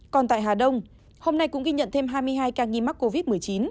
còn tại hà đông hôm nay cũng ghi nhận thêm hai mươi hai ca nghi mắc covid một mươi chín